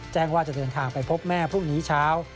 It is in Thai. แจ้งว่าจะเดินทางไปพบแม่พรุ่งนี้เช้า